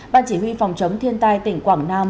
ban chỉ huy phòng chống thiên tai tỉnh quảng nam